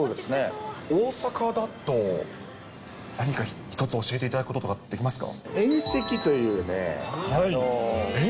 大阪だと、何か１つ教えていただくことってできますか？